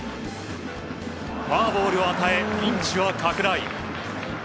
フォアボールを与えピンチは拡大。